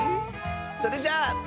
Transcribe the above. それじゃあ。